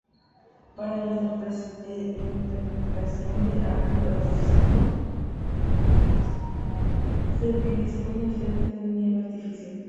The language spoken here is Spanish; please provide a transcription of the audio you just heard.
Para la interpretación de "Apple of Sodom" se utilizó un efecto de nieve artificial.